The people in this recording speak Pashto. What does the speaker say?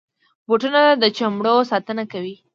بوټونه د چمړو ساتنه کوي.